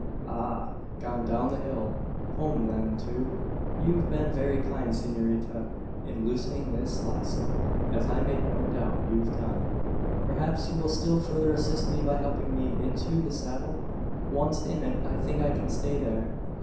"Ah gone down the hill home, then, to . You've been very kind, s'norita, in loosening this lazo as I make no doubt you've done. Perhaps you will still further assist me by helping me into the saddle? Once in it, I think I can stay there.